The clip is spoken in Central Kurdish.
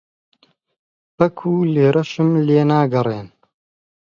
پەکوو لێرەشم لێ ناگەڕێن؟